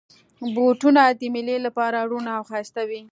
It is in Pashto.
بوټونه د مېلې لپاره روڼ او ښایسته وي.